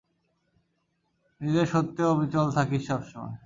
নিজের সত্যে অবিচল থাকিস সবসময়।